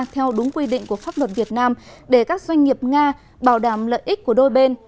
theo đúng quy định của pháp luật việt nam để các doanh nghiệp nga bảo đảm lợi ích của đôi bên